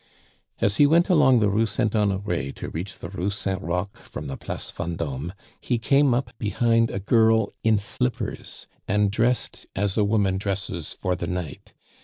As he went along the Rue Saint Honore to reach the Rue Saint Roch from the Place Vendome, he came up behind a girl in slippers, and dressed as a woman dresses for the night.